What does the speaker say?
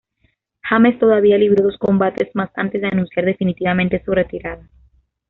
James todavía libró dos combates más antes de anunciar definitivamente su retirada.